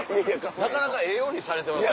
なかなかええようにされてますね。